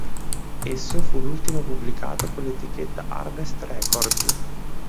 Esso fu l'ultimo pubblicato con l'etichetta Harvest Records..